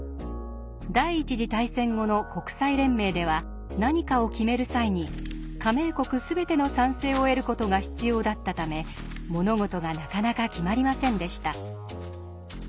第一次大戦後の国際連盟では何かを決める際に加盟国全ての賛成を得る事が必要だったため物事がなかなか決まりませんでした。